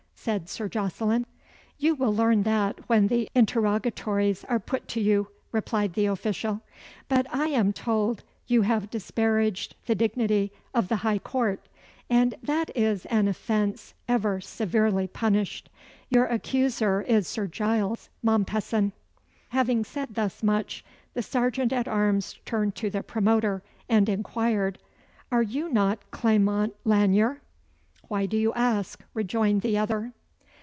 said Sir Jocelyn. "You will learn that when the interrogatories are put to you," replied the official. "But I am told you have disparaged the dignity of the High Court, and that is an offence ever severely punished. Your accuser is Sir Giles Mompesson." Having said thus much, the serjeant at arms turned to the promoter, and inquired, "Are you not Clement Lanyere?" "Why do you ask?" rejoined the other.